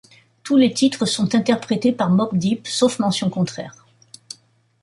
Tous les titres sont interprétés par Mobb Deep, sauf mention contraire.